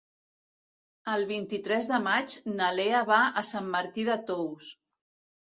El vint-i-tres de maig na Lea va a Sant Martí de Tous.